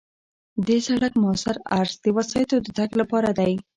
د سړک موثر عرض د وسایطو د تګ لپاره دی